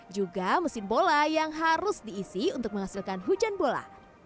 juga mesin bola yang harus diisi untuk menghasilkan hujan bola